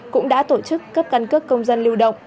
cũng đã tổ chức cấp căn cước công dân lưu động